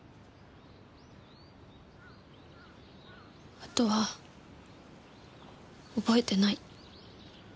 あとは覚えてない。